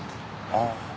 ああ。